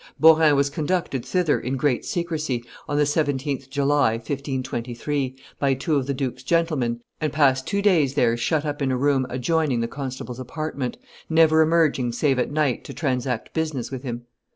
Beaurain was conducted thither, in great secrecy, on the 17th July, 1523, by two of the duke's gentlemen, and passed two days there shut up in a room adjoining the constable's apartment, never emerging save at night to transact business with him.